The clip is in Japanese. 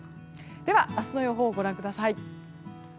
では明日の予報をご覧ください。